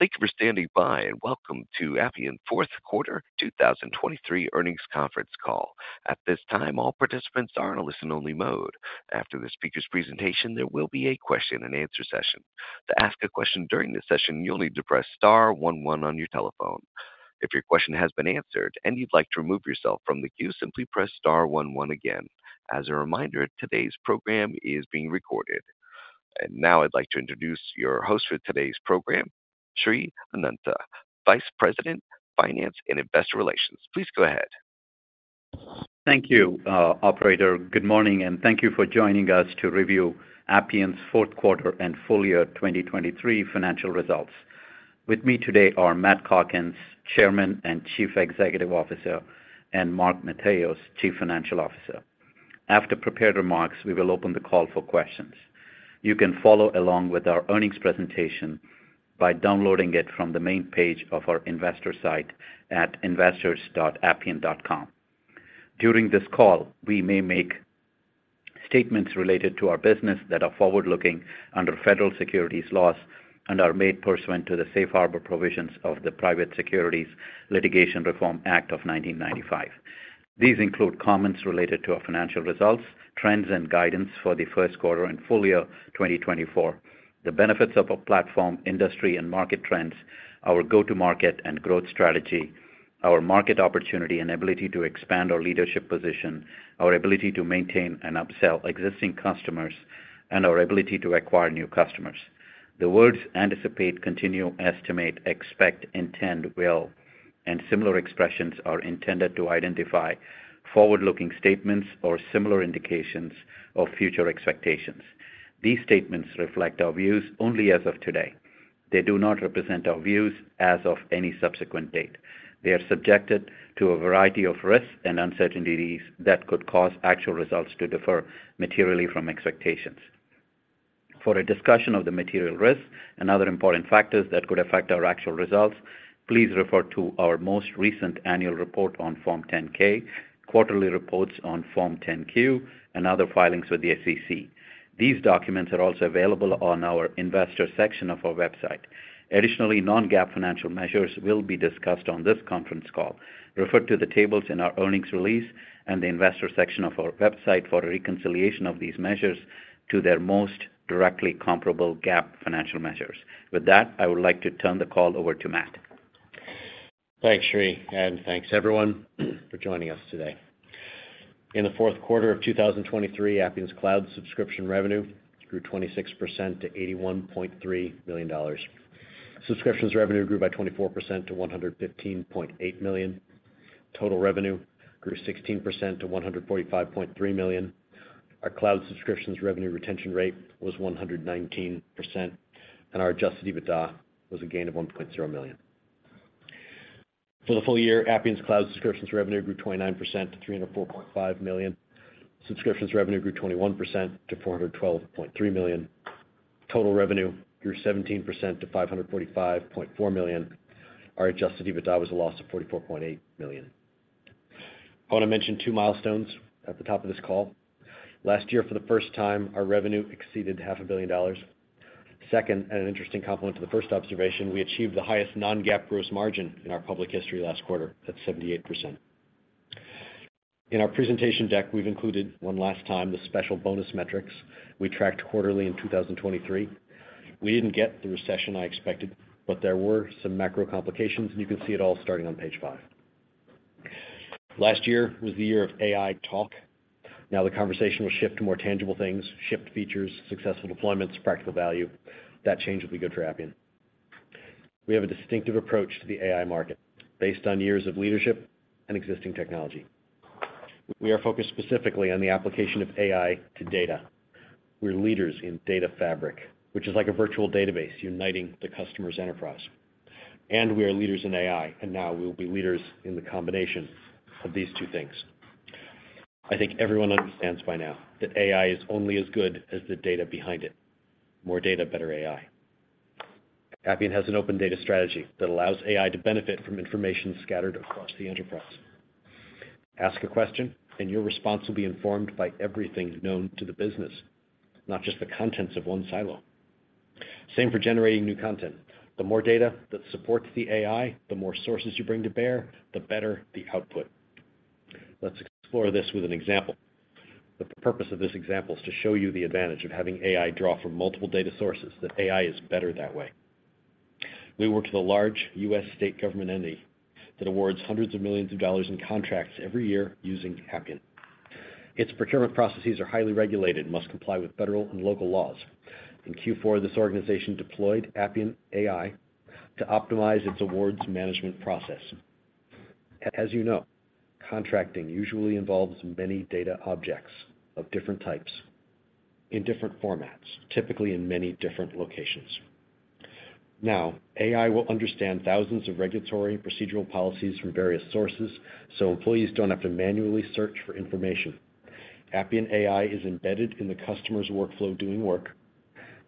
Thank you for standing by and welcome to Appian Quarter 2023 Earnings Conference Call. At this time, all participants are in a listen-only mode. After the speaker's presentation, there will be a question-and-answer session. To ask a question during this session, you'll need to press star one one on your telephone. If your question has been answered and you'd like to remove yourself from the queue, simply press star one one again. As a reminder, today's program is being recorded. Now I'd like to introduce your host for today's program, Sri Anantha, Vice President, Finance and Investor Relations. Please go ahead. Thank you, Operator. Good morning, and thank you for joining us to review Appian's fourth quarter and full year 2023 financial results. With me today are Matt Calkins, Chairman and Chief Executive Officer, and Mark Matheos, Chief Financial Officer. After prepared remarks, we will open the call for questions. You can follow along with our earnings presentation by downloading it from the main page of our investor site at investors.appian.com. During this call, we may make statements related to our business that are forward-looking under federal securities laws and are made pursuant to the Safe Harbor Provisions of the Private Securities Litigation Reform Act of 1995. These include comments related to our financial results, trends and guidance for the first quarter and full year 2024, the benefits of our platform, industry and market trends, our go-to-market and growth strategy, our market opportunity and ability to expand our leadership position, our ability to maintain and upsell existing customers, and our ability to acquire new customers. The words anticipate, continue, estimate, expect, intend, will, and similar expressions are intended to identify forward-looking statements or similar indications of future expectations. These statements reflect our views only as of today. They do not represent our views as of any subsequent date. They are subjected to a variety of risks and uncertainties that could cause actual results to differ materially from expectations. For a discussion of the material risks and other important factors that could affect our actual results, please refer to our most recent annual report on Form 10-K, quarterly reports on Form 10-Q, and other filings with the SEC. These documents are also available on our investor section of our website. Additionally, non-GAAP financial measures will be discussed on this conference call. Refer to the tables in our earnings release and the investor section of our website for a reconciliation of these measures to their most directly comparable GAAP financial measures. With that, I would like to turn the call over to Matt. Thanks, Sri, and thanks, everyone, for joining us today. In the fourth quarter of 2023, Appian's cloud subscription revenue grew 26% to $81.3 million. Subscriptions revenue grew by 24% to $115.8 million. Total revenue grew 16% to $145.3 million. Our cloud subscriptions revenue retention rate was 119%, and our Adjusted EBITDA was a gain of $1.0 million. For the full year, Appian's cloud subscriptions revenue grew 29% to $304.5 million. Subscriptions revenue grew 21% to $412.3 million. Total revenue grew 17% to $545.4 million. Our Adjusted EBITDA was a loss of $44.8 million. I want to mention two milestones at the top of this call. Last year, for the first time, our revenue exceeded $500 million. Second, and an interesting complement to the first observation, we achieved the highest non-GAAP gross margin in our public history last quarter at 78%. In our presentation deck, we've included, one last time, the special bonus metrics we tracked quarterly in 2023. We didn't get the recession I expected, but there were some macro complications, and you can see it all starting on page 5. Last year was the year of AI talk. Now, the conversation will shift to more tangible things: shift features, successful deployments, practical value. That change will be good for Appian. We have a distinctive approach to the AI market based on years of leadership and existing technology. We are focused specifically on the application of AI to data. We're leaders in Data Fabric, which is like a virtual database uniting the customer's enterprise. And we are leaders in AI, and now we will be leaders in the combination of these two things. I think everyone understands by now that AI is only as good as the data behind it. More data, better AI. Appian has an open data strategy that allows AI to benefit from information scattered across the enterprise. Ask a question, and your response will be informed by everything known to the business, not just the contents of one silo. Same for generating new content. The more data that supports the AI, the more sources you bring to bear, the better the output. Let's explore this with an example. The purpose of this example is to show you the advantage of having AI draw from multiple data sources, that AI is better that way. We work with a large U.S. state government entity that awards hundreds of millions in dollars in contracts every year using Appian. Its procurement processes are highly regulated and must comply with federal and local laws. In Q4, this organization deployed Appian AI to optimize its awards management process. As you know, contracting usually involves many data objects of different types in different formats, typically in many different locations. Now, AI will understand thousands of regulatory and procedural policies from various sources so employees don't have to manually search for information. Appian AI is embedded in the customer's workflow doing work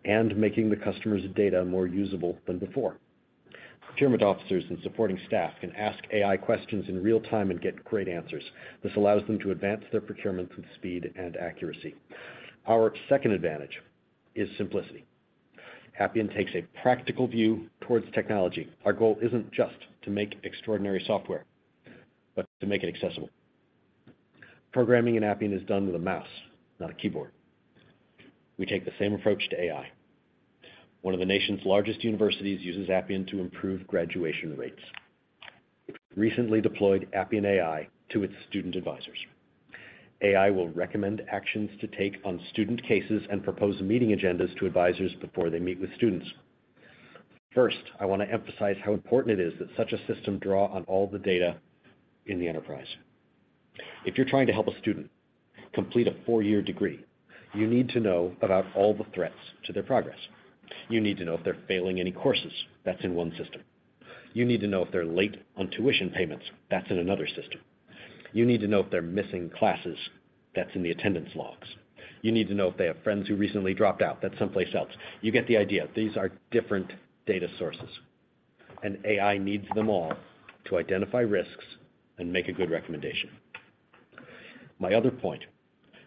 and making the customer's data more usable than before. Procurement officers and supporting staff can ask AI questions in real time and get great answers. This allows them to advance their procurement with speed and accuracy. Our second advantage is simplicity. Appian takes a practical view towards technology. Our goal isn't just to make extraordinary software, but to make it accessible. Programming in Appian is done with a mouse, not a keyboard. We take the same approach to AI. One of the nation's largest universities uses Appian to improve graduation rates. Recently deployed Appian AI to its student advisors. AI will recommend actions to take on student cases and propose meeting agendas to advisors before they meet with students. First, I want to emphasize how important it is that such a system draw on all the data in the enterprise. If you're trying to help a student complete a four-year degree, you need to know about all the threats to their progress. You need to know if they're failing any courses. That's in one system. You need to know if they're late on tuition payments. That's in another system. You need to know if they're missing classes. That's in the attendance logs. You need to know if they have friends who recently dropped out. That's someplace else. You get the idea. These are different data sources, and AI needs them all to identify risks and make a good recommendation. My other point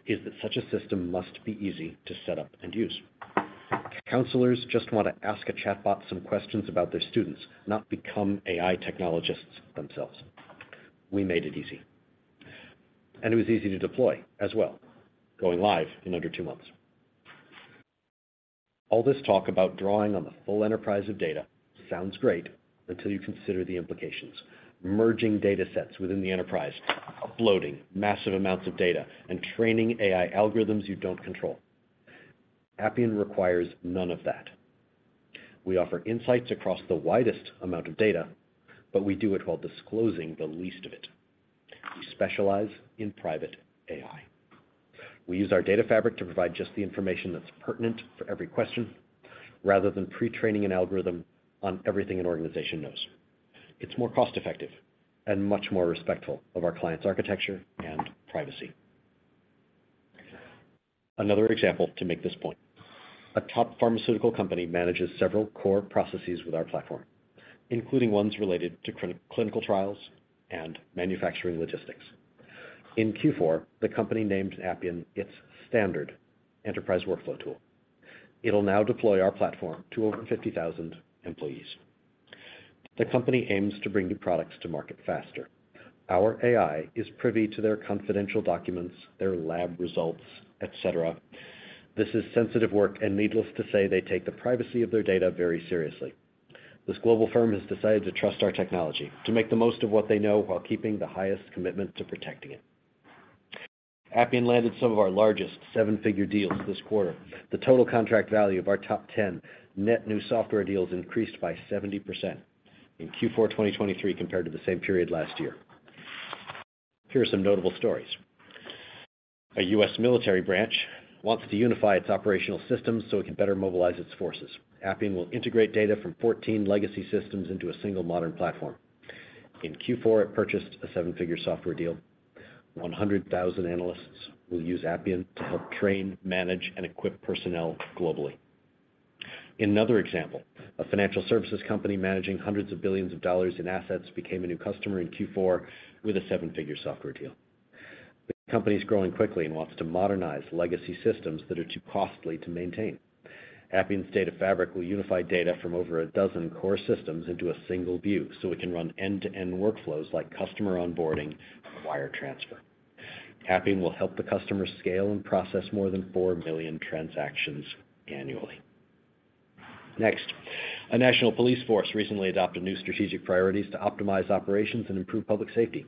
is that such a system must be easy to set up and use. Counselors just want to ask a chatbot some questions about their students, not become AI technologists themselves. We made it easy, and it was easy to deploy as well, going live in under two months. All this talk about drawing on the full enterprise of data sounds great until you consider the implications: merging data sets within the enterprise, uploading massive amounts of data, and training AI algorithms you don't control. Appian requires none of that. We offer insights across the widest amount of data, but we do it while disclosing the least of it. We specialize in Private AI. We use our Data Fabric to provide just the information that's pertinent for every question rather than pre-training an algorithm on everything an organization knows. It's more cost-effective and much more respectful of our client's architecture and privacy. Another example to make this point: a top pharmaceutical company manages several core processes with our platform, including ones related to clinical trials and manufacturing logistics. In Q4, the company named Appian its standard enterprise workflow tool. It'll now deploy our platform to over 50,000 employees. The company aims to bring new products to market faster. Our AI is privy to their confidential documents, their lab results, etc. This is sensitive work, and needless to say, they take the privacy of their data very seriously. This global firm has decided to trust our technology, to make the most of what they know while keeping the highest commitment to protecting it. Appian landed some of our largest seven-figure deals this quarter. The total contract value of our top 10 net new software deals increased by 70% in Q4 2023 compared to the same period last year. Here are some notable stories. A U.S. military branch wants to unify its operational systems so it can better mobilize its forces. Appian will integrate data from 14 legacy systems into a single modern platform. In Q4, it purchased a seven-figure software deal. 100,000 analysts will use Appian to help train, manage, and equip personnel globally. In another example, a financial services company managing hundreds of billions of dollars in assets became a new customer in Q4 with a seven-figure software deal. The company is growing quickly and wants to modernize legacy systems that are too costly to maintain. Appian's Data Fabric will unify data from over a dozen core systems into a single view so it can run end-to-end workflows like customer onboarding and wire transfer. Appian will help the customer scale and process more than 4 million transactions annually. Next, a national police force recently adopted new strategic priorities to optimize operations and improve public safety.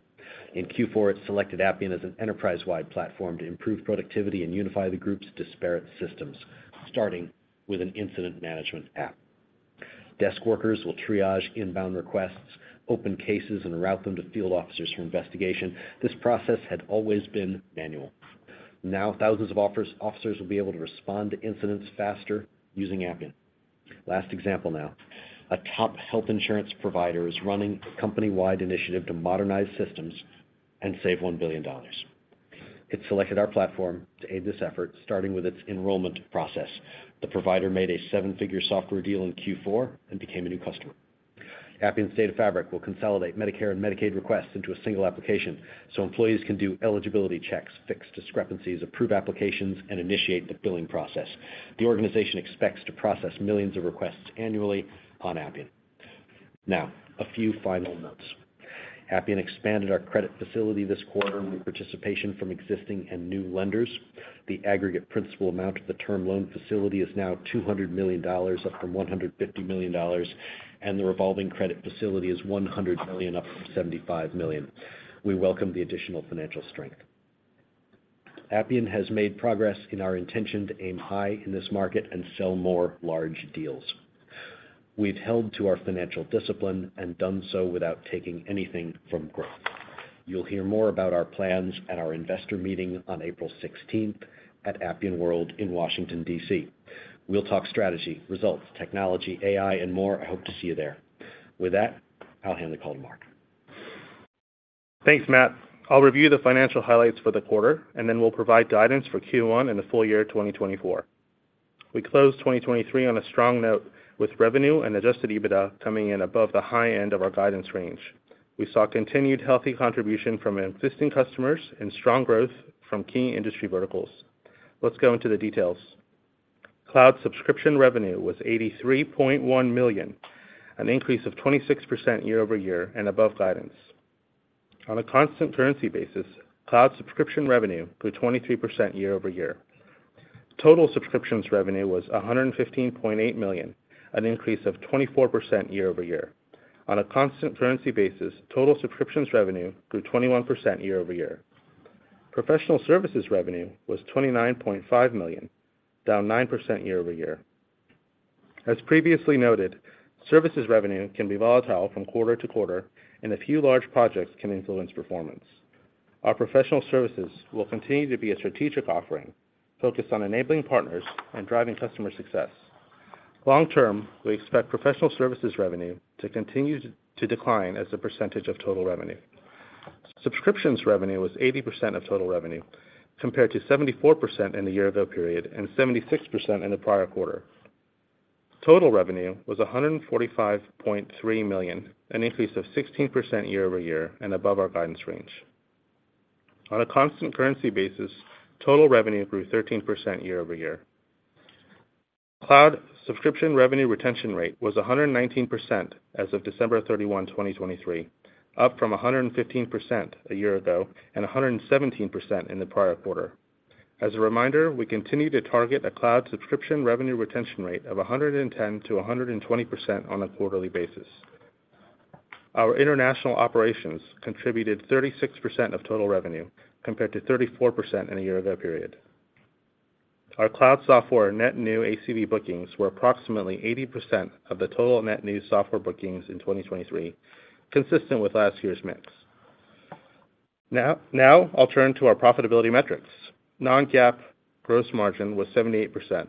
In Q4, it selected Appian as an enterprise-wide platform to improve productivity and unify the group's disparate systems, starting with an incident management app. Desk workers will triage inbound requests, open cases, and route them to field officers for investigation. This process had always been manual. Now, thousands of officers will be able to respond to incidents faster using Appian. Last example now: a top health insurance provider is running a company-wide initiative to modernize systems and save $1 billion. It selected our platform to aid this effort, starting with its enrollment process. The provider made a seven-figure software deal in Q4 and became a new customer. Appian's Data Fabric will consolidate Medicare and Medicaid requests into a single application so employees can do eligibility checks, fix discrepancies, approve applications, and initiate the billing process. The organization expects to process millions of requests annually on Appian. Now, a few final notes. Appian expanded our credit facility this quarter with participation from existing and new lenders. The aggregate principal amount of the term loan facility is now $200 million, up from $150 million, and the revolving credit facility is $100 million, up from $75 million. We welcome the additional financial strength. Appian has made progress in our intention to aim high in this market and sell more large deals. We've held to our financial discipline and done so without taking anything from growth. You'll hear more about our plans at our investor meeting on April 16th at Appian World in Washington, D.C. We'll talk strategy, results, technology, AI, and more. I hope to see you there. With that, I'll hand the call to Mark. Thanks, Matt. I'll review the financial highlights for the quarter, and then we'll provide guidance for Q1 and the full year 2024. We closed 2023 on a strong note with revenue and Adjusted EBITDA coming in above the high end of our guidance range. We saw continued healthy contribution from existing customers and strong growth from key industry verticals. Let's go into the details. Cloud subscription revenue was $83.1 million, an increase of 26% year-over-year and above guidance. On a Constant Currency basis, Cloud subscription revenue grew 23% year-over-year. Total subscriptions revenue was $115.8 million, an increase of 24% year-over-year. On a Constant Currency basis, total subscriptions revenue grew 21% year-over-year. Professional services revenue was $29.5 million, down 9% year-over-year. As previously noted, services revenue can be volatile from quarter to quarter, and a few large projects can influence performance. Our professional services will continue to be a strategic offering focused on enabling partners and driving customer success. Long-term, we expect Professional Services Revenue to continue to decline as a percentage of total revenue. Subscriptions Revenue was 80% of total revenue compared to 74% in the year-ago period and 76% in the prior quarter. Total revenue was $145.3 million, an increase of 16% year-over-year and above our guidance range. On a Constant Currency basis, total revenue grew 13% year-over-year. Cloud Subscription Revenue Retention Rate was 119% as of December 31, 2023, up from 115% a year ago and 117% in the prior quarter. As a reminder, we continue to target a Cloud Subscription Revenue Retention Rate of 110%-120% on a quarterly basis. Our international operations contributed 36% of total revenue compared to 34% in a year-ago period. Our cloud software net new ACV bookings were approximately 80% of the total net new software bookings in 2023, consistent with last year's mix. Now, I'll turn to our profitability metrics. Non-GAAP gross margin was 78%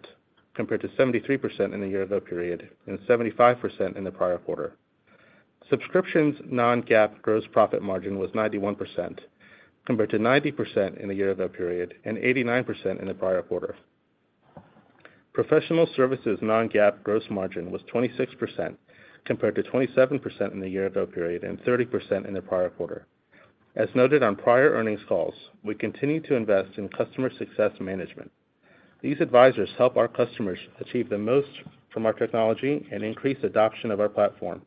compared to 73% in the year-ago period and 75% in the prior quarter. Subscriptions non-GAAP gross profit margin was 91% compared to 90% in the year-ago period and 89% in the prior quarter. Professional services non-GAAP gross margin was 26% compared to 27% in the year-ago period and 30% in the prior quarter. As noted on prior earnings calls, we continue to invest in customer success management. These advisors help our customers achieve the most from our technology and increase adoption of our platform.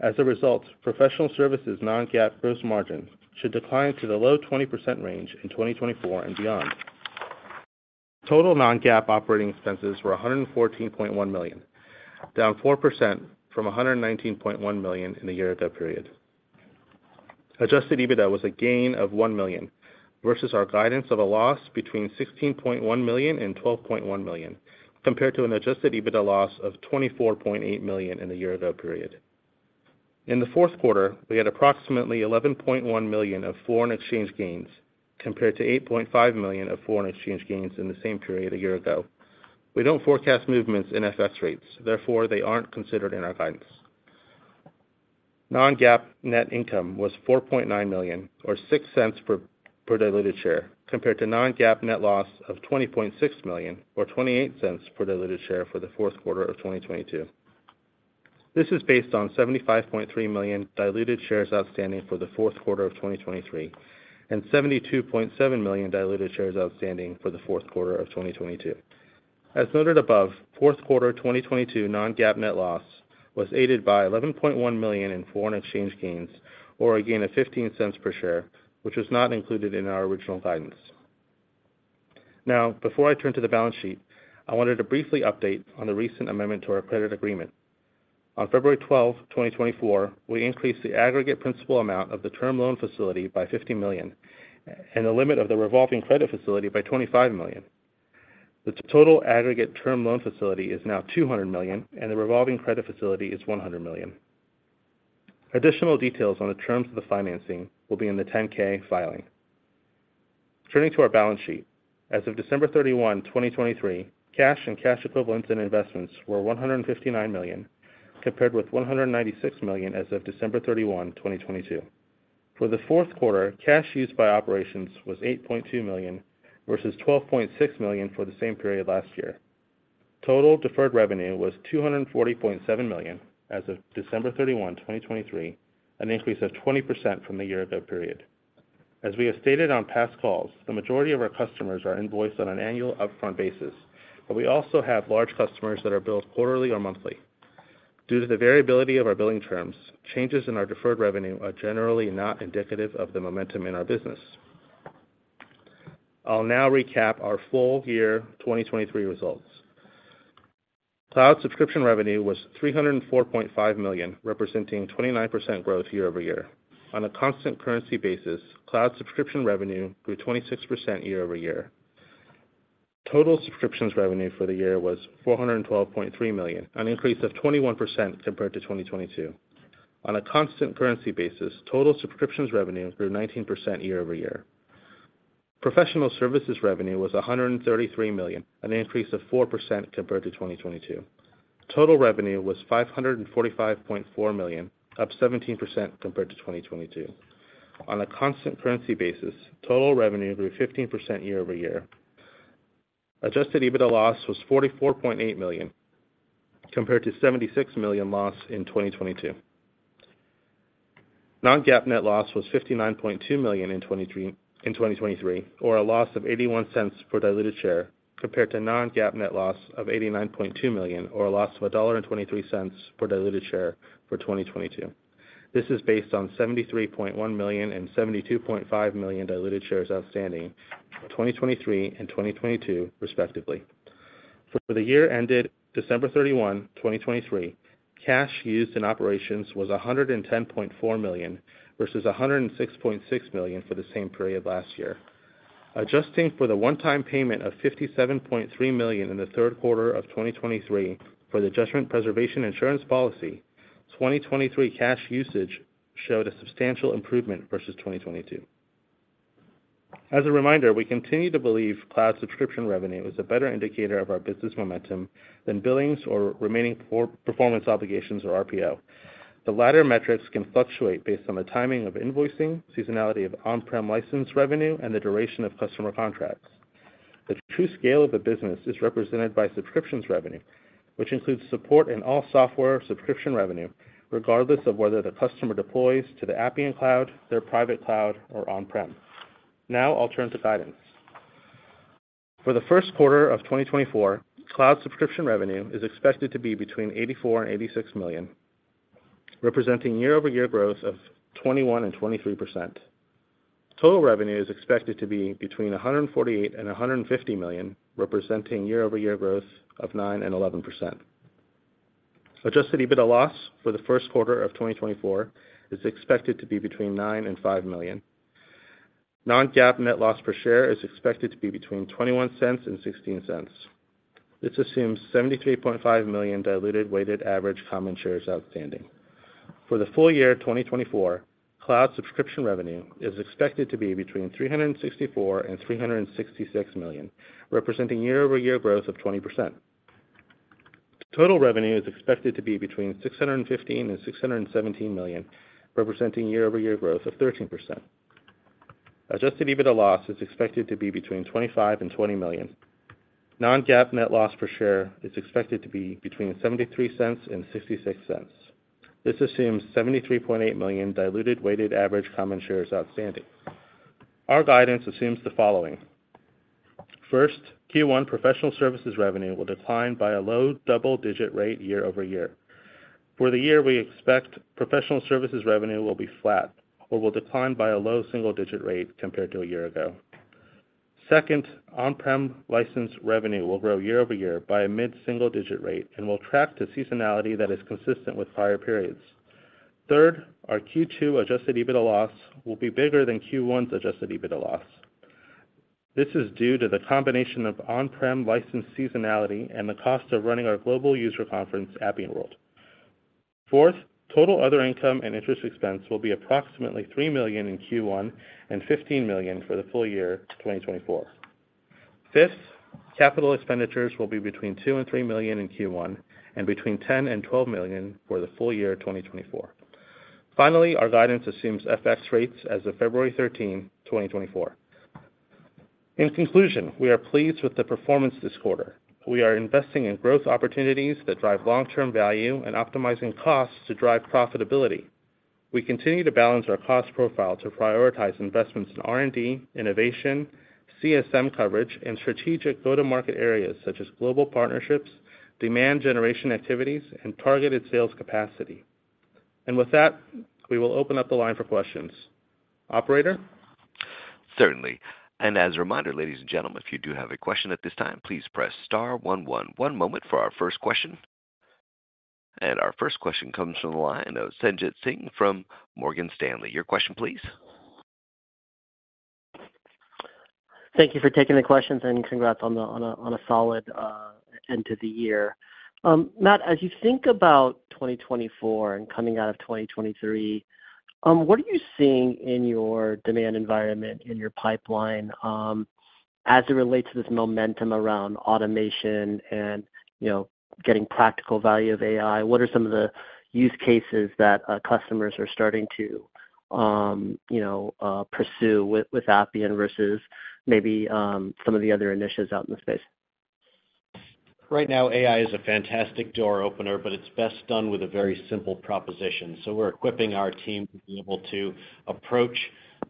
As a result, professional services non-GAAP gross margin should decline to the low 20% range in 2024 and beyond. Total non-GAAP operating expenses were $114.1 million, down 4% from $119.1 million in the year-ago period. Adjusted EBITDA was a gain of $1 million versus our guidance of a loss between $16.1 million and $12.1 million compared to an adjusted EBITDA loss of $24.8 million in the year-ago period. In the fourth quarter, we had approximately $11.1 million of foreign exchange gains compared to $8.5 million of foreign exchange gains in the same period a year ago. We don't forecast movements in FX rates. Therefore, they aren't considered in our guidance. Non-GAAP net income was $4.9 million or $0.06 per diluted share compared to non-GAAP net loss of $20.6 million or $0.28 per diluted share for the fourth quarter of 2022. This is based on 75.3 million diluted shares outstanding for the fourth quarter of 2023 and 72.7 million diluted shares outstanding for the fourth quarter of 2022. As noted above, fourth quarter 2022 Non-GAAP net loss was aided by $11.1 million in foreign exchange gains or a gain of $0.15 per share, which was not included in our original guidance. Now, before I turn to the balance sheet, I wanted to briefly update on the recent amendment to our credit agreement. On February 12, 2024, we increased the aggregate principal amount of the term loan facility by $50 million and the limit of the revolving credit facility by $25 million. The total aggregate term loan facility is now $200 million, and the revolving credit facility is $100 million. Additional details on the terms of the financing will be in the 10-K filing. Turning to our balance sheet, as of December 31, 2023, cash and cash equivalents in investments were $159 million compared with $196 million as of December 31, 2022. For the fourth quarter, cash used by operations was $8.2 million versus $12.6 million for the same period last year. Total deferred revenue was $240.7 million as of December 31, 2023, an increase of 20% from the year-ago period. As we have stated on past calls, the majority of our customers are invoiced on an annual upfront basis, but we also have large customers that are billed quarterly or monthly. Due to the variability of our billing terms, changes in our deferred revenue are generally not indicative of the momentum in our business. I'll now recap our full year 2023 results. Cloud subscription revenue was $304.5 million, representing 29% growth year-over-year. On a constant currency basis, cloud subscription revenue grew 26% year-over-year. Total subscriptions revenue for the year was $412.3 million, an increase of 21% compared to 2022. On a constant currency basis, total subscriptions revenue grew 19% year-over-year. Professional services revenue was $133 million, an increase of 4% compared to 2022. Total revenue was $545.4 million, up 17% compared to 2022. On a constant currency basis, total revenue grew 15% year-over-year. Adjusted EBITDA loss was $44.8 million compared to $76 million loss in 2022. Non-GAAP net loss was $59.2 million in 2023 or a loss of $0.81 per diluted share compared to non-GAAP net loss of $89.2 million or a loss of $1.23 per diluted share for 2022. This is based on 73.1 million and 72.5 million diluted shares outstanding for 2023 and 2022, respectively. For the year ended December 31, 2023, cash used in operations was $110.4 million versus $106.6 million for the same period last year. Adjusting for the one-time payment of $57.3 million in the third quarter of 2023 for the Judgment Preservation Insurance policy, 2023 cash usage showed a substantial improvement versus 2022. As a reminder, we continue to believe cloud subscription revenue is a better indicator of our business momentum than billings or remaining performance obligations or RPO. The latter metrics can fluctuate based on the timing of invoicing, seasonality of on-prem license revenue, and the duration of customer contracts. The true scale of the business is represented by subscriptions revenue, which includes support and all software subscription revenue, regardless of whether the customer deploys to the Appian Cloud, their private cloud, or on-prem. Now, I'll turn to guidance. For the first quarter of 2024, cloud subscription revenue is expected to be between $84 million and $86 million, representing year-over-year growth of 21% and 23%. Total revenue is expected to be between $148 million and $150 million, representing year-over-year growth of 9%-11%. Adjusted EBITDA loss for the first quarter of 2024 is expected to be between $9 million and $5 million. Non-GAAP net loss per share is expected to be between $0.21 and $0.16. This assumes 73.5 million diluted weighted average common shares outstanding. For the full year 2024, cloud subscription revenue is expected to be between $364 million and $366 million, representing year-over-year growth of 20%. Total revenue is expected to be between $615 million and $617 million, representing year-over-year growth of 13%. Adjusted EBITDA loss is expected to be between $25 million and $20 million. Non-GAAP net loss per share is expected to be between $0.73 and $0.66. This assumes 73.8 million diluted weighted average common shares outstanding. Our guidance assumes the following. First, Q1 professional services revenue will decline by a low double-digit rate year over year. For the year, we expect professional services revenue will be flat or will decline by a low single-digit rate compared to a year ago. Second, on-prem license revenue will grow year over year by a mid-single-digit rate and will track to seasonality that is consistent with prior periods. Third, our Q2 Adjusted EBITDA loss will be bigger than Q1's Adjusted EBITDA loss. This is due to the combination of on-prem license seasonality and the cost of running our global user conference, Appian World. Fourth, total other income and interest expense will be approximately $3 million in Q1 and $15 million for the full year 2024. Fifth, capital expenditures will be between $2 million and $3 million in Q1 and between $10 million and $12 million for the full year 2024. Finally, our guidance assumes FX rates as of February 13, 2024. In conclusion, we are pleased with the performance this quarter. We are investing in growth opportunities that drive long-term value and optimizing costs to drive profitability. We continue to balance our cost profile to prioritize investments in R&D, innovation, CSM coverage, and strategic go-to-market areas such as global partnerships, demand generation activities, and targeted sales capacity. And with that, we will open up the line for questions. Operator? Certainly. And as a reminder, ladies and gentlemen, if you do have a question at this time, please press star 11. One moment for our first question. And our first question comes from the line. Sanjit Singh from Morgan Stanley. Your question, please. Thank you for taking the questions, and congrats on a solid end to the year. Matt, as you think about 2024 and coming out of 2023, what are you seeing in your demand environment, in your pipeline, as it relates to this momentum around automation and getting practical value of AI? What are some of the use cases that customers are starting to pursue with Appian versus maybe some of the other initiatives out in the space? Right now, AI is a fantastic door opener, but it's best done with a very simple proposition. So we're equipping our team to be able to approach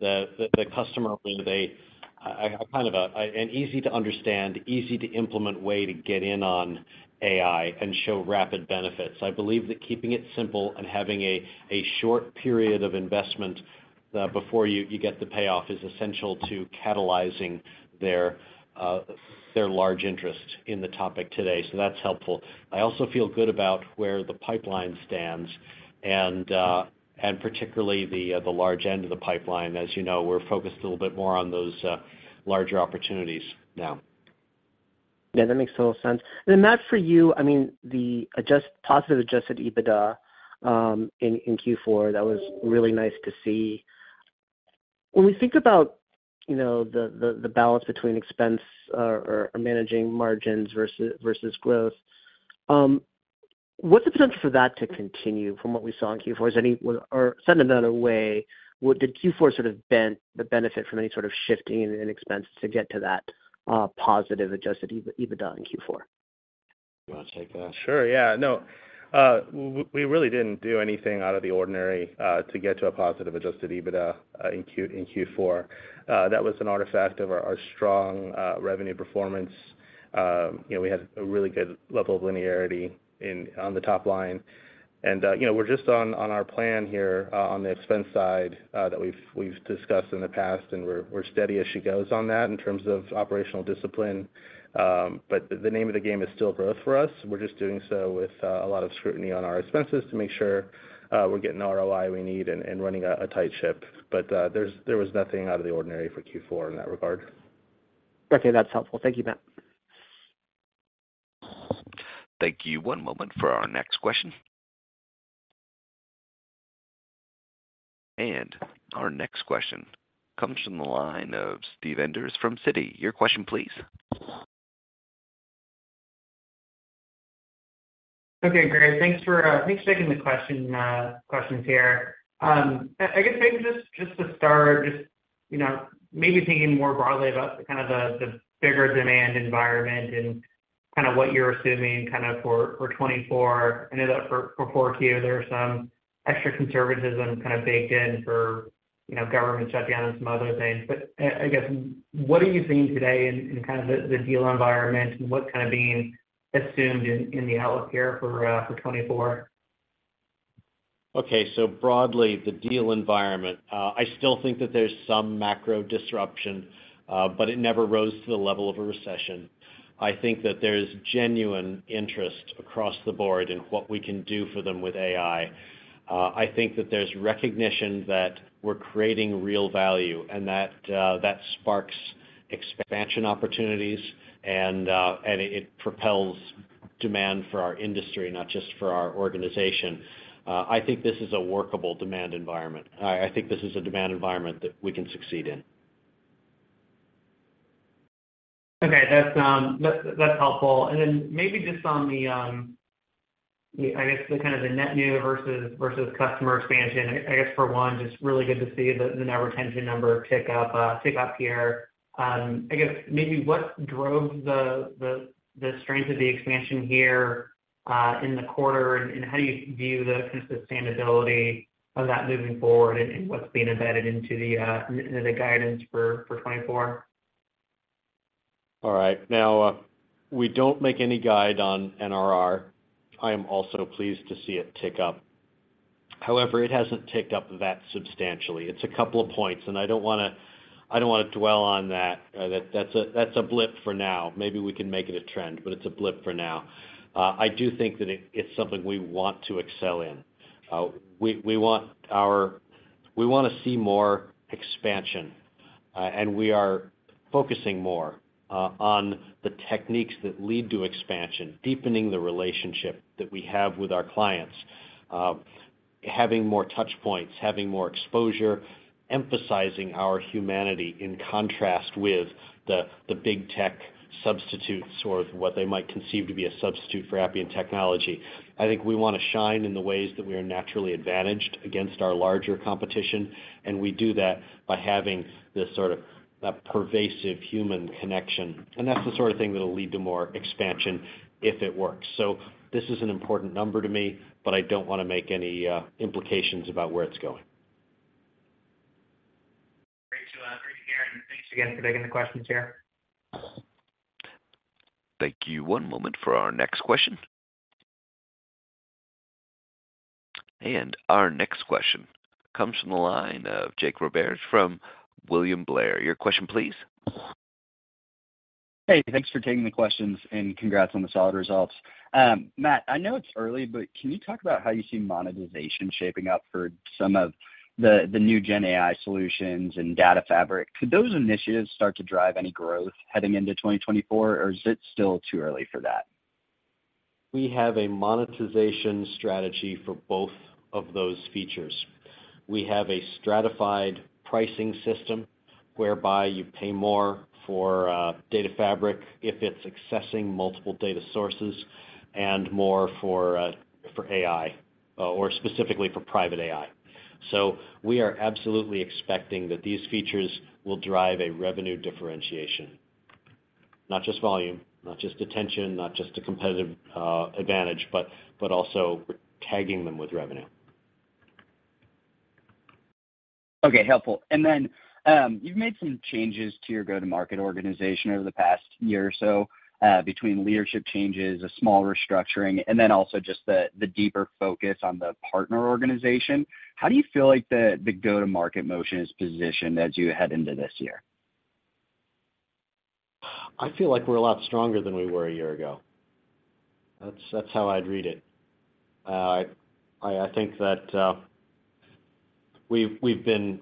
the customer with an easy-to-understand, easy-to-implement way to get in on AI and show rapid benefits. I believe that keeping it simple and having a short period of investment before you get the payoff is essential to catalyzing their large interest in the topic today. So that's helpful. I also feel good about where the pipeline stands and particularly the large end of the pipeline. As you know, we're focused a little bit more on those larger opportunities now. Yeah, that makes total sense. And then Matt, for you, I mean, the positive Adjusted EBITDA in Q4, that was really nice to see. When we think about the balance between expense or managing margins versus growth, what's the potential for that to continue from what we saw in Q4? Or said in another way, did Q4 sort of get the benefit from any sort of shifting in expenses to get to that positive Adjusted EBITDA in Q4? You want to take that? Sure. Yeah. No, we really didn't do anything out of the ordinary to get to a positive Adjusted EBITDA in Q4. That was an artifact of our strong revenue performance. We had a really good level of linearity on the top line. We're just on our plan here on the expense side that we've discussed in the past, and we're steady as she goes on that in terms of operational discipline. But the name of the game is still growth for us. We're just doing so with a lot of scrutiny on our expenses to make sure we're getting the ROI we need and running a tight ship. But there was nothing out of the ordinary for Q4 in that regard. Okay, that's helpful. Thank you, Matt. Thank you. One moment for our next question. Our next question comes from the line of Steve Enders from Citi. Your question, please. Okay, great. Thanks for taking the questions here. I guess maybe just to start, just maybe thinking more broadly about kind of the bigger demand environment and kind of what you're assuming kind of for 2024. I know that for '23, there were some extra conservatism kind of baked in for government shutdown and some other things. But I guess what are you seeing today in kind of the deal environment and what's kind of being assumed in the outlook here for 2024? Okay, so broadly, the deal environment, I still think that there's some macro disruption, but it never rose to the level of a recession. I think that there's genuine interest across the board in what we can do for them with AI. I think that there's recognition that we're creating real value, and that sparks expansion opportunities, and it propels demand for our industry, not just for our organization. I think this is a workable demand environment. I think this is a demand environment that we can succeed in. Okay, that's helpful. And then maybe just on the, I guess, kind of the net new versus customer expansion, I guess for one, just really good to see the net retention number tick up here. I guess maybe what drove the strength of the expansion here in the quarter, and how do you view the kind of sustainability of that moving forward and what's being embedded into the guidance for 2024? All right. Now, we don't make any guide on NRR. I am also pleased to see it tick up. However, it hasn't ticked up that substantially. It's a couple of points, and I don't want to I don't want to dwell on that. That's a blip for now. Maybe we can make it a trend, but it's a blip for now. I do think that it's something we want to excel in. We want to see more expansion, and we are focusing more on the techniques that lead to expansion, deepening the relationship that we have with our clients, having more touchpoints, having more exposure, emphasizing our humanity in contrast with the big tech substitutes or what they might conceive to be a substitute for Appian technology. I think we want to shine in the ways that we are naturally advantaged against our larger competition, and we do that by having this sort of that pervasive human connection. And that's the sort of thing that will lead to more expansion if it works. So this is an important number to me, but I don't want to make any implications about where it's going. Great to hear, and thanks again for taking the questions here. Thank you. One moment for our next question. Our next question comes from the line of Jake Roberge from William Blair. Your question, please. Hey, thanks for taking the questions, and congrats on the solid results. Matt, I know it's early, but can you talk about how you see monetization shaping up for some of the new-gen AI solutions and data fabric? Could those initiatives start to drive any growth heading into 2024, or is it still too early for that? We have a monetization strategy for both of those features. We have a stratified pricing system whereby you pay more for data fabric if it's accessing multiple data sources and more for AI, or specifically for private AI. So we are absolutely expecting that these features will drive a revenue differentiation, not just volume, not just attention, not just a competitive advantage, but also we're tagging them with revenue. Okay, helpful. And then you've made some changes to your go-to-market organization over the past year or so between leadership changes, a small restructuring, and then also just the deeper focus on the partner organization. How do you feel like the go-to-market motion is positioned as you head into this year? I feel like we're a lot stronger than we were a year ago. That's how I'd read it. I think that we've been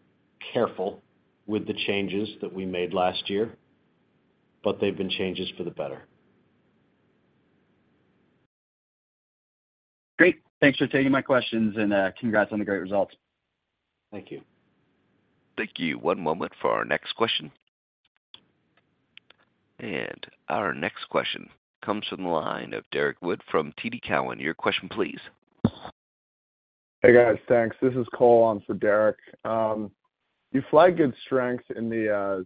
careful with the changes that we made last year, but they've been changes for the better. Great. Thanks for taking my questions, and congrats on the great results. Thank you. Thank you. One moment for our next question. Our next question comes from the line of Derek Wood from TD Cowen. Your question, please. Hey, guys. Thanks. This is Cole on for Derek. You flagged good strengths in the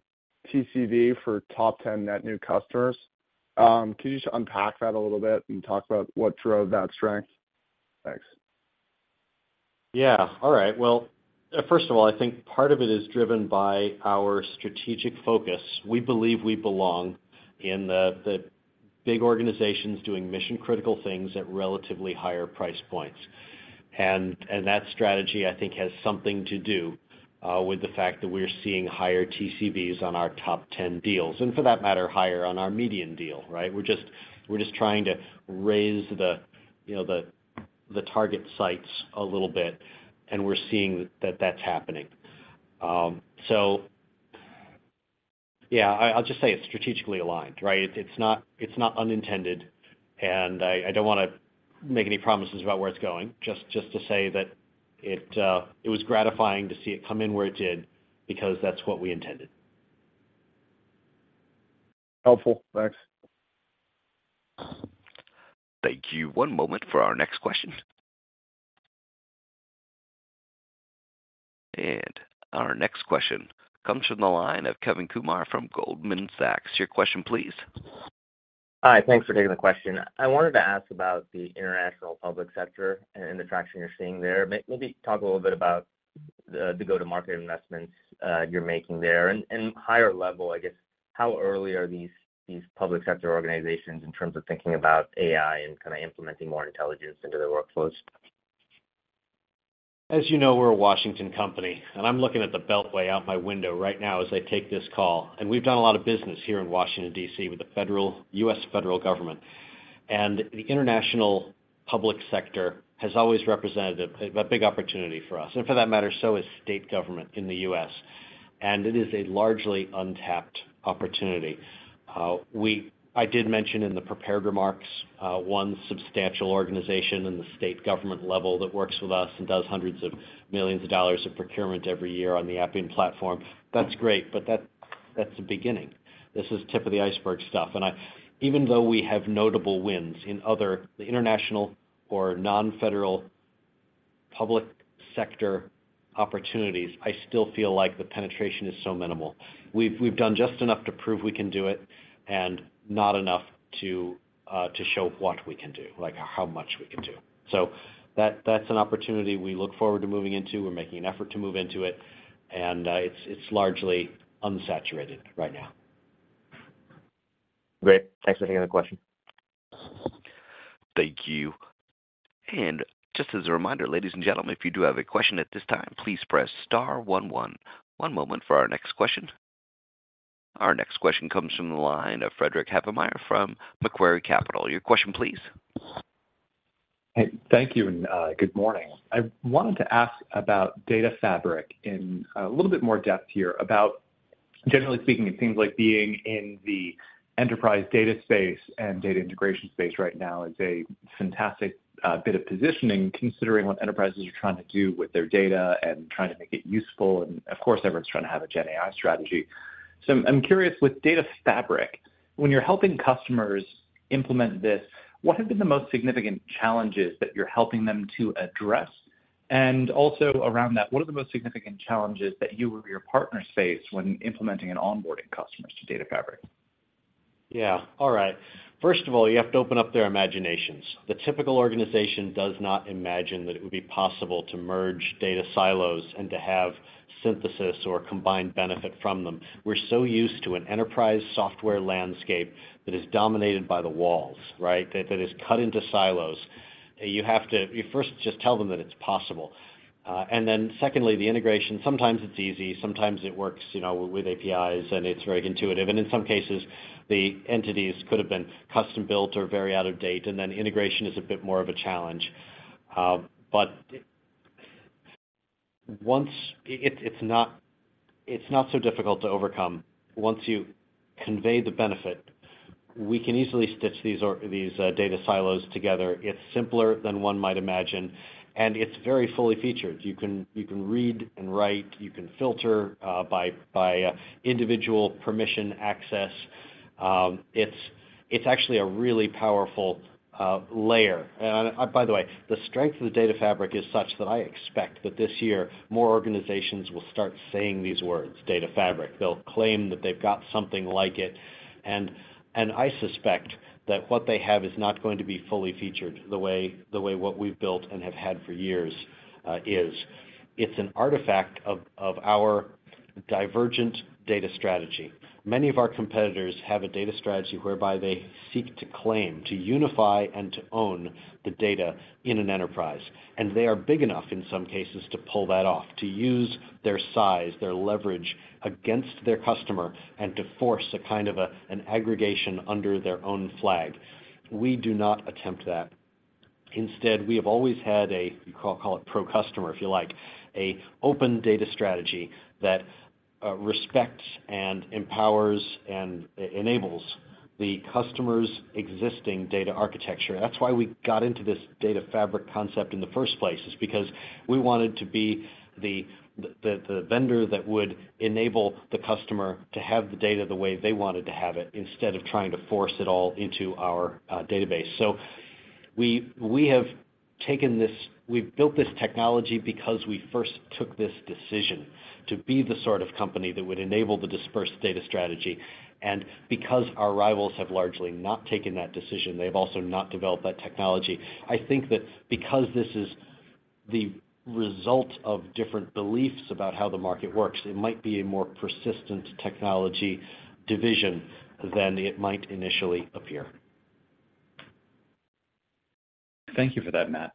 TCV for top 10 net new customers. Can you just unpack that a little bit and talk about what drove that strength? Thanks. Yeah. All right. Well, first of all, I think part of it is driven by our strategic focus. We believe we belong in the big organizations doing mission-critical things at relatively higher price points. And that strategy, I think, has something to do with the fact that we're seeing higher TCVs on our top 10 deals, and for that matter, higher on our median deal, right? We're just trying to raise the target sizes a little bit, and we're seeing that that's happening. So yeah, I'll just say it's strategically aligned, right? It's not unintended, and I don't want to make any promises about where it's going, just to say that it was gratifying to see it come in where it did because that's what we intended. Helpful. Thanks. Thank you. One moment for our next question. And our next question comes from the line of Kevin Kumar from Goldman Sachs. Your question, please. Hi. Thanks for taking the question. I wanted to ask about the international public sector and the traction you're seeing there. Maybe talk a little bit about the go-to-market investments you're making there. And higher level, I guess, how early are these public sector organizations in terms of thinking about AI and kind of implementing more intelligence into their workflows? As you know, we're a Washington company, and I'm looking at the Beltway out my window right now as I take this call. We've done a lot of business here in Washington, D.C., with the U.S. federal government. The international public sector has always represented a big opportunity for us. For that matter, so has state government in the U.S. It is a largely untapped opportunity. I did mention in the prepared remarks one substantial organization in the state government level that works with us and does hundreds of millions of dollars of procurement every year on the Appian Platform. That's great, but that's the beginning. This is tip of the iceberg stuff. Even though we have notable wins in the other international or non-federal public sector opportunities, I still feel like the penetration is so minimal. We've done just enough to prove we can do it and not enough to show what we can do, how much we can do. So that's an opportunity we look forward to moving into. We're making an effort to move into it, and it's largely unsaturated right now. Great. Thanks for taking the question. Thank you. And just as a reminder, ladies and gentlemen, if you do have a question at this time, please press star 11. One moment for our next question. Our next question comes from the line of Frederick Havemeyer from Macquarie Capital. Your question, please. Hey, thank you, and good morning. I wanted to ask about data fabric in a little bit more depth here. Generally speaking, it seems like being in the enterprise data space and data integration space right now is a fantastic bit of positioning considering what enterprises are trying to do with their data and trying to make it useful. And of course, everyone's trying to have a gen AI strategy. So I'm curious, with Data Fabric, when you're helping customers implement this, what have been the most significant challenges that you're helping them to address? And also around that, what are the most significant challenges that you or your partners faced when implementing and onboarding customers to Data Fabric? Yeah. All right. First of all, you have to open up their imaginations. The typical organization does not imagine that it would be possible to merge data silos and to have synthesis or combined benefit from them. We're so used to an enterprise software landscape that is dominated by the walls, right, that is cut into silos. You have to first just tell them that it's possible. And then secondly, the integration, sometimes it's easy. Sometimes it works with APIs, and it's very intuitive. And in some cases, the entities could have been custom-built or very out of date, and then integration is a bit more of a challenge. But it's not so difficult to overcome. Once you convey the benefit, we can easily stitch these data silos together. It's simpler than one might imagine, and it's very fully featured. You can read and write. You can filter by individual permission access. It's actually a really powerful layer. And by the way, the strength of the data fabric is such that I expect that this year, more organizations will start saying these words, data fabric. They'll claim that they've got something like it. And I suspect that what they have is not going to be fully featured the way what we've built and have had for years is. It's an artifact of our divergent data strategy. Many of our competitors have a data strategy whereby they seek to claim, to unify, and to own the data in an enterprise. They are big enough, in some cases, to pull that off, to use their size, their leverage against their customer, and to force a kind of an aggregation under their own flag. We do not attempt that. Instead, we have always had a, you call it pro-customer if you like, an open data strategy that respects and empowers and enables the customer's existing data architecture. That's why we got into this Data Fabric concept in the first place, is because we wanted to be the vendor that would enable the customer to have the data the way they wanted to have it instead of trying to force it all into our database. So we have taken this we've built this technology because we first took this decision to be the sort of company that would enable the dispersed data strategy. And because our rivals have largely not taken that decision, they have also not developed that technology. I think that because this is the result of different beliefs about how the market works, it might be a more persistent technology division than it might initially appear. Thank you for that, Matt.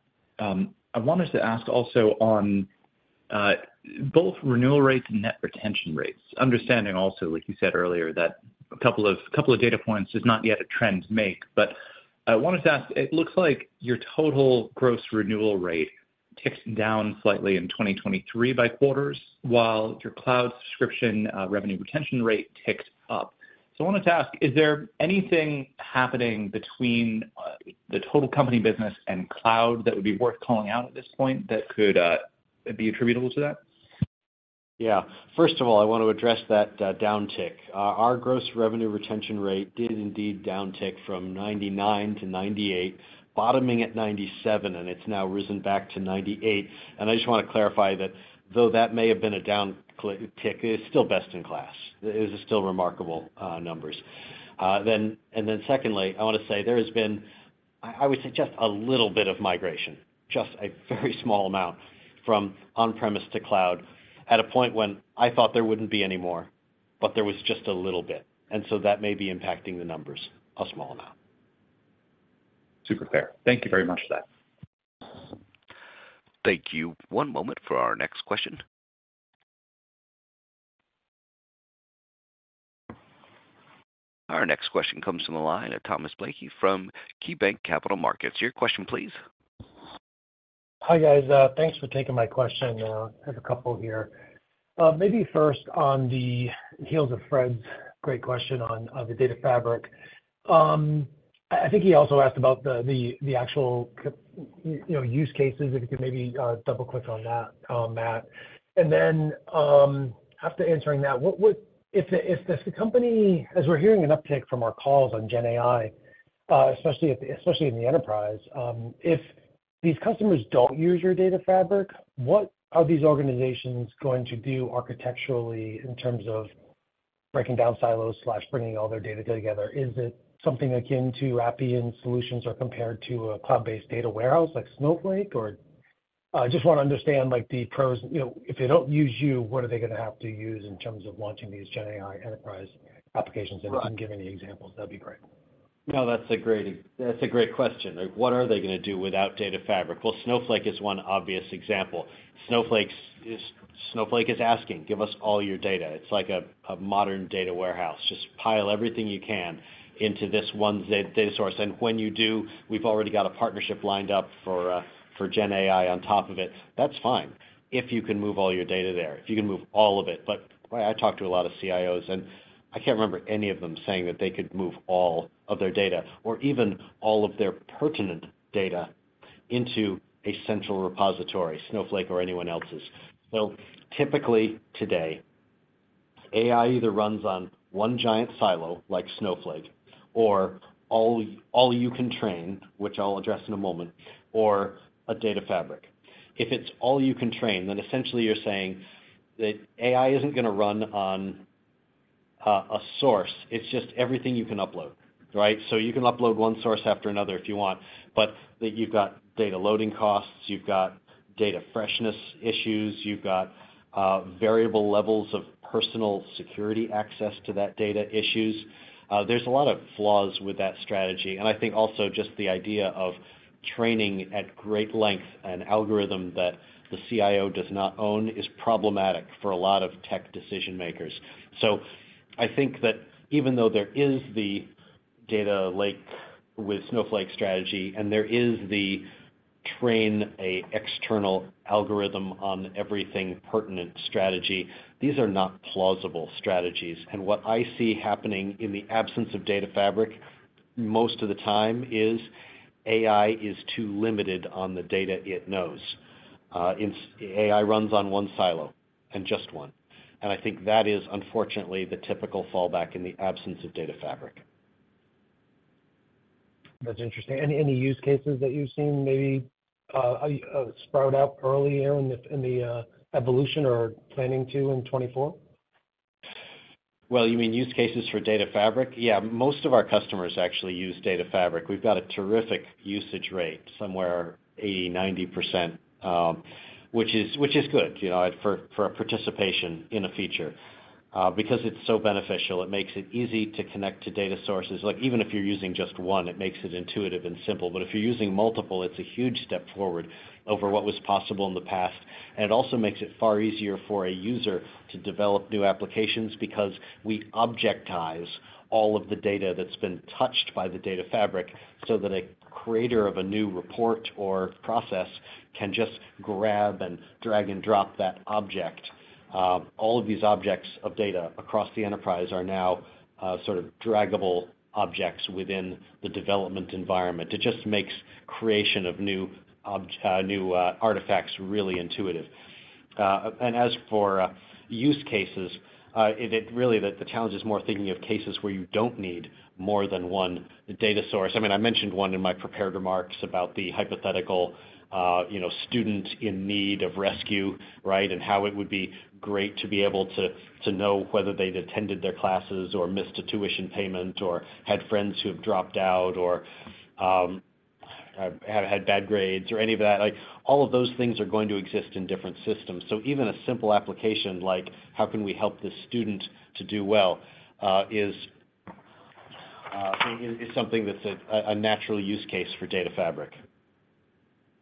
I wanted to ask also on both renewal rates and net retention rates, understanding also, like you said earlier, that a couple of data points is not yet a trend to make. But I wanted to ask, it looks like your total gross renewal rate ticked down slightly in 2023 by quarters, while your cloud subscription revenue retention rate ticked up. So I wanted to ask, is there anything happening between the total company business and cloud that would be worth calling out at this point that could be attributable to that? Yeah. First of all, I want to address that downtick. Our Gross Revenue Retention Rate did indeed downtick from 99 to 98, bottoming at 97, and it's now risen back to 98. And I just want to clarify that though that may have been a downtick, it is still best in class. It is still remarkable numbers. And then secondly, I want to say there has been, I would say, just a little bit of migration, just a very small amount from on-premises to cloud at a point when I thought there wouldn't be any more, but there was just a little bit. And so that may be impacting the numbers a small amount. Super fair. Thank you very much for that. Thank you. One moment for our next question. Our next question comes from the line of Thomas Blakey from KeyBanc Capital Markets. Your question, please. Hi, guys. Thanks for taking my question. I have a couple here. Maybe first on the heels of Fred's great question on the Data Fabric. I think he also asked about the actual use cases, if you could maybe double-click on that, Matt. And then after answering that, if the company, as we're hearing an uptick from our calls on gen AI, especially in the enterprise, if these customers don't use your Data Fabric, what are these organizations going to do architecturally in terms of breaking down silos/bringing all their data together? Is it something akin to Appian solutions or compared to a cloud-based data warehouse like Snowflake? Or I just want to understand the pros. If they don't use you, what are they going to have to use in terms of launching these gen AI enterprise applications? And if you can give any examples, that'd be great. No, that's a great question. What are they going to do without Data Fabric? Well, Snowflake is one obvious example. Snowflake is asking, "Give us all your data." It's like a modern data warehouse. Just pile everything you can into this one data source. And when you do, we've already got a partnership lined up for gen AI on top of it. That's fine if you can move all your data there, if you can move all of it. But I talked to a lot of CIOs, and I can't remember any of them saying that they could move all of their data or even all of their pertinent data into a central repository, Snowflake or anyone else's. So typically today, AI either runs on one giant silo like Snowflake or all you can train, which I'll address in a moment, or a data fabric. If it's all you can train, then essentially you're saying that AI isn't going to run on a source. It's just everything you can upload, right? So you can upload one source after another if you want, but that you've got data loading costs. You've got data freshness issues. You've got variable levels of personal security access to that data issues. There's a lot of flaws with that strategy. And I think also just the idea of training at great length an algorithm that the CIO does not own is problematic for a lot of tech decision-makers. So I think that even though there is the data lake with Snowflake strategy and there is the train an external algorithm on everything pertinent strategy, these are not plausible strategies. And what I see happening in the absence of Data Fabric most of the time is AI is too limited on the data it knows. AI runs on one silo, and just one. And I think that is, unfortunately, the typical fallback in the absence of Data Fabric. That's interesting. Any use cases that you've seen maybe sprout out earlier in the evolution or planning to in 2024? Well, you mean use cases for Data Fabric? Yeah. Most of our customers actually use Data Fabric. We've got a terrific usage rate, somewhere 80%-90%, which is good for a participation in a feature because it's so beneficial. It makes it easy to connect to data sources. Even if you're using just one, it makes it intuitive and simple. But if you're using multiple, it's a huge step forward over what was possible in the past. And it also makes it far easier for a user to develop new applications because we objectize all of the data that's been touched by the Data Fabric so that a creator of a new report or process can just grab and drag and drop that object. All of these objects of data across the enterprise are now sort of draggable objects within the development environment. It just makes creation of new artifacts really intuitive. And as for use cases, really, the challenge is more thinking of cases where you don't need more than one data source. I mean, I mentioned one in my prepared remarks about the hypothetical student in need of rescue, right, and how it would be great to be able to know whether they'd attended their classes or missed a tuition payment or had friends who have dropped out or had bad grades or any of that. All of those things are going to exist in different systems. So even a simple application like, "How can we help this student to do well," is something that's a natural use case for data fabric.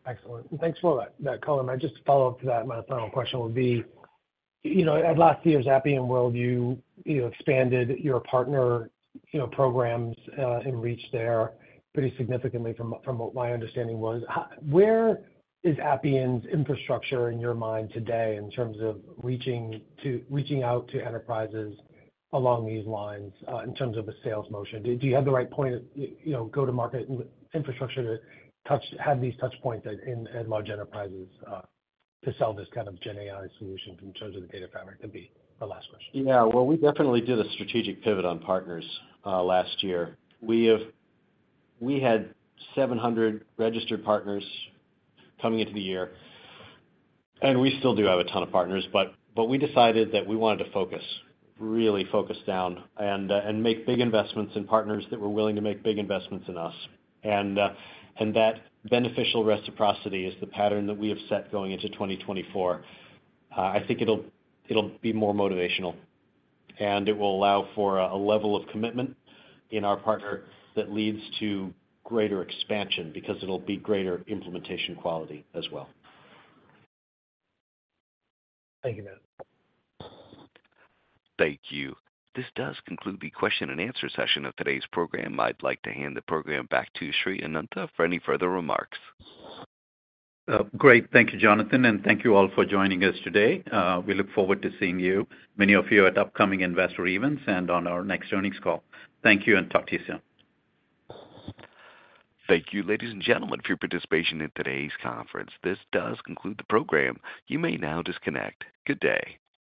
Excellent. Thanks for that, Colin. Just to follow up to that, my final question would be, at last year's Appian World, you expanded your partner programs and reached there pretty significantly, from what my understanding was. Where is Appian's infrastructure in your mind today in terms of reaching out to enterprises along these lines in terms of a sales motion? Do you have the right point of go-to-market infrastructure to have these touchpoints at large enterprises to sell this kind of gen AI solution in terms of the Data Fabric? That'd be my last question. Yeah. Well, we definitely did a strategic pivot on partners last year. We had 700 registered partners coming into the year. And we still do have a ton of partners. But we decided that we wanted to focus, really focus down, and make big investments in partners that were willing to make big investments in us. And that beneficial reciprocity is the pattern that we have set going into 2024. I think it'll be more motivational, and it will allow for a level of commitment in our partner that leads to greater expansion because it'll be greater implementation quality as well. Thank you, Matt. Thank you. This does conclude the question-and-answer session of today's program. I'd like to hand the program back to Sri Anantha for any further remarks. Great. Thank you, Jonathan. Thank you all for joining us today. We look forward to seeing many of you at upcoming investor events and on our next earnings call. Thank you, and talk to you soon. Thank you, ladies and gentlemen, for your participation in today's conference. This does conclude the program. You may now disconnect. Good day.